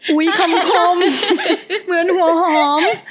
คำคมเหมือนหัวหอม